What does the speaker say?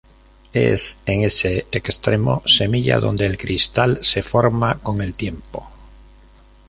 Es en ese extremo semilla donde el cristal se forma con el tiempo.